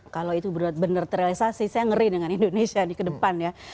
kalau itu benar benar terrealisasi saya ngeri dengan indonesia nih ke depan ya